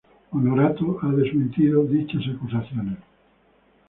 Honorato ha desmentido dichas acusaciones.